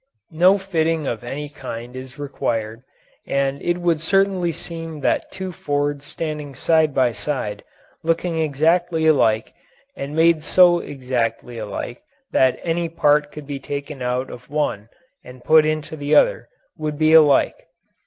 No fitting of any kind is required, and it would certainly seem that two Fords standing side by side, looking exactly alike and made so exactly alike that any part could be taken out of one and put into the other, would be alike.